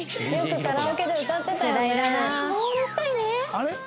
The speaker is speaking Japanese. あれ？